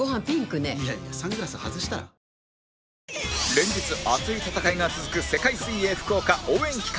連日熱い戦いが続く世界水泳福岡応援企画